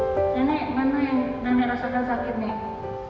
danai mana yang rasakan sakit nih